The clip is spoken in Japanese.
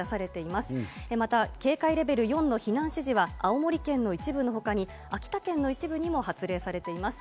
また警戒レベル４の避難指示は青森県の一部のほかに、秋田県の一部にも発令されています。